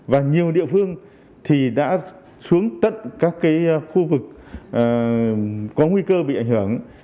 và nhiều địa phương thì đã xuống tận các khu vực có nguy cơ bị ảnh hưởng